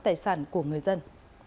tài sản của người dân